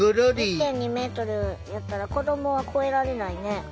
１．２メートルやったら子どもは越えられないね。